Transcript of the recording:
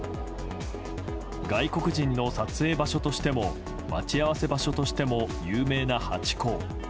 外国人の撮影場所としても待ち合わせ場所としても有名なハチ公。